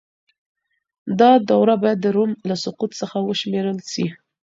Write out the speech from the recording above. دا دوره بايد د روم له سقوط څخه وشمېرل سي.